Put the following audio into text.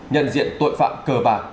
nhận diện tội phạm cờ bạc